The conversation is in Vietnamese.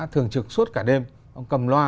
thường trực suốt cả đêm ông cầm loa